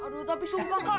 aduh tapi sumpah kak